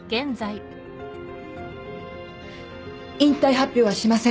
引退発表はしません。